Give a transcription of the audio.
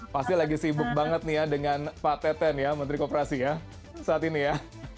pasti lagi sibuk banget nih ya dengan pak teten ya menteri kooperasi ya saat ini ya